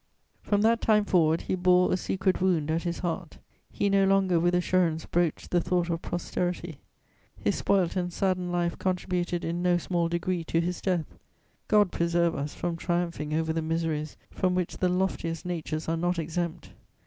From that time forward, he bore a secret wound at his heart; he no longer with assurance broached the thought of posterity; his spoilt and saddened life contributed in no small degree to his death. God preserve us from triumphing over the miseries from which the loftiest natures are not exempt!